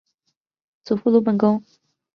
祖父鲁本恭。